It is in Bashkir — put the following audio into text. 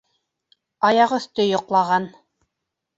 Аяғөҫтө йоҡлаған.